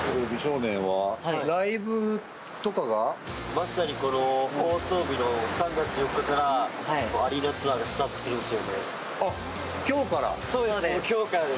まさにこの放送日の３月４日からアリーナツアーがスタートするんです。